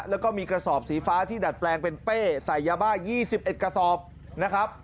แล้วก็มีกระสอบสีฟ้าที่ดัดแปลงเป็นเป้ใส่ยาบ้า๒๑กระสอบนะครับ